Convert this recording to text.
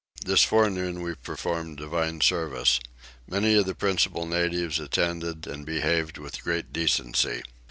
This forenoon we performed divine service. Many of the principal natives attended and behaved with great decency.